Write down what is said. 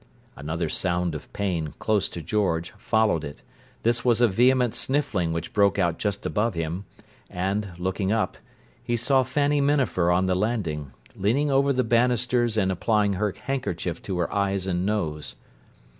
Another sound of pain, close to George, followed it; this was a vehement sniffling which broke out just above him, and, looking up, he saw Fanny Minafer on the landing, leaning over the banisters and applying her handkerchief to her eyes and nose.